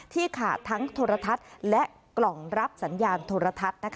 ขาดทั้งโทรทัศน์และกล่องรับสัญญาณโทรทัศน์